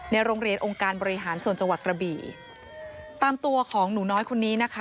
โรงเรียนองค์การบริหารส่วนจังหวัดกระบี่ตามตัวของหนูน้อยคนนี้นะคะ